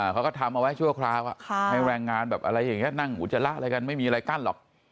เขาก็ทำเอาไว้ชั่วคราวให้แรงงานแบบอะไรอย่างนี้นั่งอุจจาระอะไรกันไม่มีอะไรกั้นหรอก